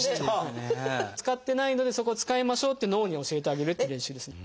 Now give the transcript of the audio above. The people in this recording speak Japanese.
使ってないのでそこを使いましょうって脳に教えてあげるっていう練習ですね。